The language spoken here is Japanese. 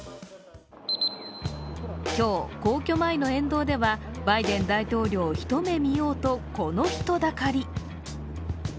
今日、皇居前の沿道ではバイデン大統領を一目見ようとこの人だかり。